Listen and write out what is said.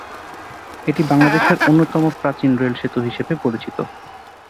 এটি বাংলাদেশের অন্যতম প্রাচীন রেলসেতু হিসেবে পরিচিত।